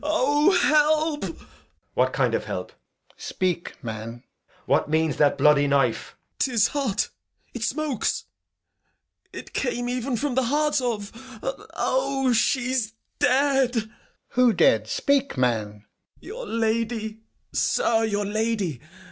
O, help! Edg. What kind of help? Alb. Speak, man. Edg. What means that bloody knife? Gent. 'Tis hot, it smokes. It came even from the heart of O! she's dead! Alb. Who dead? Speak, man. Gent. Your lady, sir, your lady!